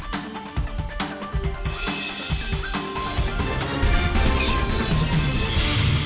terima kasih banyak